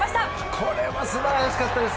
これは素晴らしかったです。